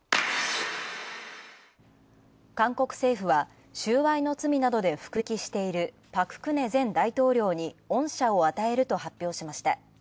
韓国政府は、収賄の罪などで服役しているパク・クネ前大統領に恩赦を与えると発表しました。